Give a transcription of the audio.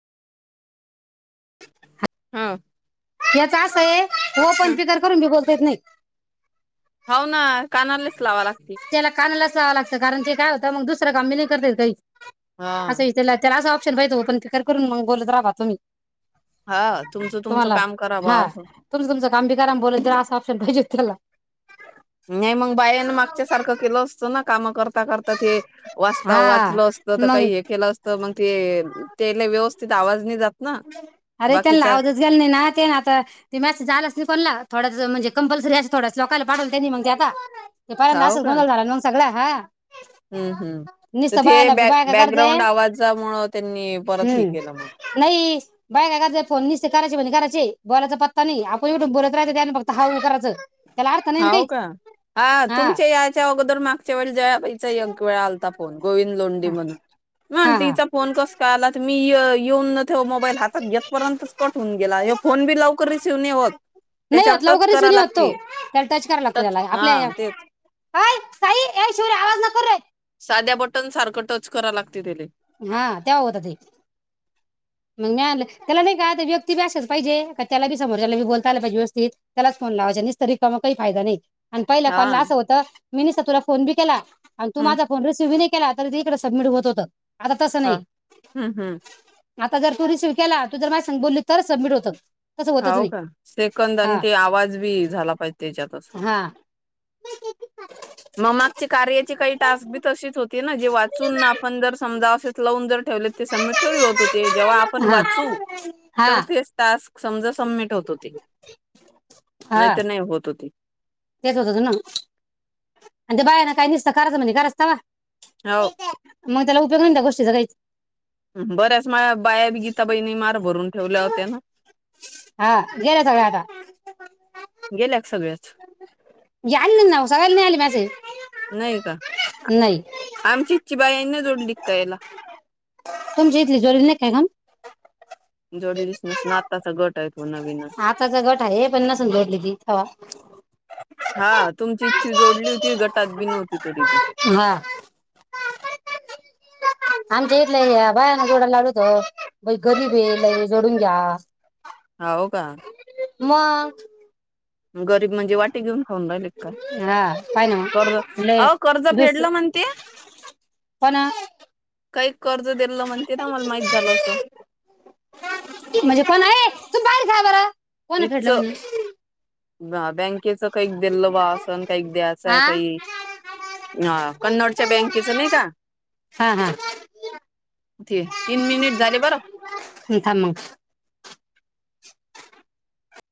हं याच अस हे ओपन पिकर करून बी बोलता येत नही. हाव ना. कानलेच लावा लागती. व लागत कारण ते काय होत मग दुसर काम बी नही करतेयेत काही. हा अस विचाल्याव त्याला अस शेतबईच ओपण तर तर करून मग बोलत जावा बा तुम्ही. हा तुमचं तुमचं तुम्हाला काम करा बा हा असं. तुमच तुमच काम बी करा अणि बोलत जा असा ऑप्शन पाहिजे. ला बायाने मागच्या सारख केल असत ना. काम कर करता ते वाचता हा वाचल असत तर मग काही हे केल असत मग ते तेले व्यवस्थित आवाज नइ जात. ना. अरे त्यांना बाकीचा आवाजच गेल नाही ना ते न आता ते मॅसेज आलाच नाही कोणला थोडा च म्हणजे कंपल्सरी अस थोडाच लोकायला पाठवलं तेनी मग देता. ते पोराचं असाच गोंदळ झाला न सगळा. हा हुं हुं तर नुसतं ते बायाला बॅ बायका बॅकग्राउंड करताय आवाजा मुळ त्यांनी परत हे हम्म केल म. नाही बायका, करत्यात फोन नीसते करायचे म्हणजे करायचे बोलायचा पत्ता नही आपण इठून बोलत रायच त्या हाऊ कराच. हाव का हा तुमचे यायच्या अगोदर मागच्या वेळी जया बाई चा एक वेळा आलता फोन गोविंद लोंढे म्हणून. म्या हा म्हटली हा हीचा फोन कस काय आला त मी य येऊन ण त्यो मोबाईल हातात घेतपर्यंत च कट होऊन गेला. ह्यो फोन बी लवकर रिसीव्ह नही होत नाही त्याच्यावर होत लवकर टच रिसिव्ह करावे नाही होत तो लागते. त्याला टच कराव लागत त्याला हा आपल्या तेच अय साई ये शिवऱ्या आवाज नको रे. साध्या बटन सारखं टच करा लागते त्याले हा त्या होत ते. मग म्या आणल त्याला नाही का व्यक्ती बी अशाच पाहिजे का त्याला बी समोरच्याला बी बोलता आला पाहिजे व्यवस्थित त्याला च फोन लावायचा निस्त रिकामा काही फायदा नाही. अन पहिल्या हा कॉलला अस होत मी निस्ता तुला फोन बी केला आणि तू हम्म माझा फोन रिसव्ह बी नही केला तरी तिकडे सबमिट होत होत. हा हम्म हम्म आता जर तू रिसीव्ह केला तू जर मा सांग बोलली तरच सबमिट होत. हो का सेकंद आणि ते आवाज बी झाला पाहिजे त्याच्यात अस हा मागच्या कार्याची काही टास्क बी तशीच होती ना जे वाचून आपण जर समजा अस तुला लावून ज ठेवलेत ते सबमिट थोडी होत होते जेव्हा आपण हा वाचू हा तर तेच टास्क समजा समिट होतो. हा नाही तर नाही होत होती. तेच होत हो त ना आणि ते बाया ना काही दिसत कर्ज म्हणे करायचतावा हो मग त्याला करुन त्या गोष्टीचा काईच बऱ्याच माझ्या बायाबी गीताबाईणी मार भरून ठेवल्या होत्या ना. हा गेल्या गेला याल नव ना सगल्याला नाही आले मेसेज नाही का नाही. आमचीची बाई नाही जोडली काय ह्याला? तुमची इथली जेवली नाही काय कोण? जोडलीस नसून आत्ताचा गट आहे. तो नवीन आताचा गट आहे हे पन्नासून जोडली ती त ची जोडली होती गटात बी नवती ते तरीबी हा. आमच्या इथला या बायाना जोडायला लावलोतो व्हय गरीब ये लई जोडून घ्या. ह हो का म गरीब म्हणजे वाटी घेऊन खाऊन राहिले काय हा पाहि ना कर्ज मग लय अ कर्ज दुस फेडलं म्हणते कोण काही कर्ज देलं म्हणते ना मला माहित झालं अस खेळा बर! कोण फेडलं म्हणे? बा बँक च चेककाल वासन द्याचंय हा काही कन्नडच्या बँकेच नाही का हा हा तीन मिनिट झाले बर! थांब मग